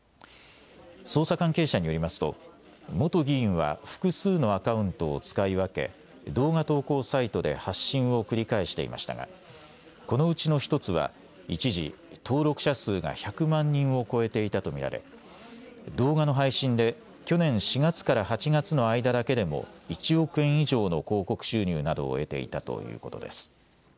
捜査関係者によりますと、元議員は複数のアカウントを使い分け、動画投稿サイトで発信を繰り返していましたが、このうちの１つは一時、登録者数が１００万人を超えていたと見られ、動画の配信で去年４月から８月の間だけでも、１億円以上の広告収入などを得ていたということです。